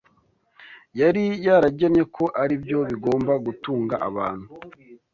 yari yaragennye ko ari byo bigomba gutunga abantu